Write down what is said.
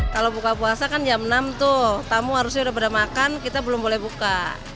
kalau buka puasa kan jam enam tuh tamu harusnya udah pada makan kita belum boleh buka